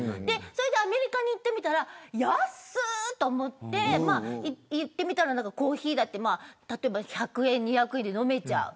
それで、アメリカに行ってみたら安いと思っていってみたらコーヒーだって１００円２００円で飲めちゃう。